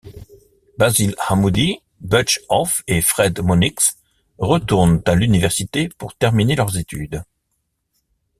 Basil Hammoudi, Butch Hauf et Fred Mönicks retournent à l'université pour terminer leurs études.